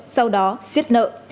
sau đó xiết nợ